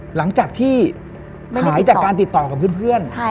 หลังจากที่หายจากการติดต่อกับเพื่อน